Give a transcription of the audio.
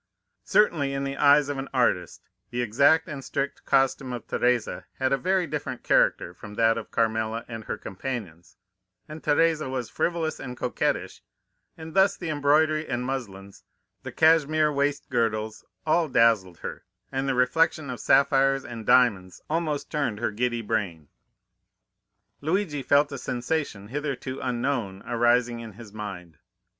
Certainly, in the eyes of an artist, the exact and strict costume of Teresa had a very different character from that of Carmela and her companions; and Teresa was frivolous and coquettish, and thus the embroidery and muslins, the cashmere waist girdles, all dazzled her, and the reflection of sapphires and diamonds almost turned her giddy brain. "Luigi felt a sensation hitherto unknown arising in his mind.